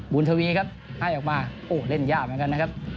ทวีครับให้ออกมาโอ้เล่นยากเหมือนกันนะครับ